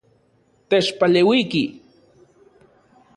Techpaleuiki.